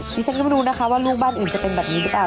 ดิฉันก็ไม่รู้นะคะว่าลูกบ้านอื่นจะเป็นแบบนี้หรือเปล่า